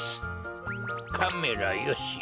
カメラよし。